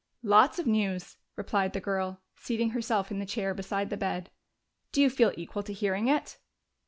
"Lots of news," replied the girl, seating herself in the chair beside the bed. "Do you feel equal to hearing it?"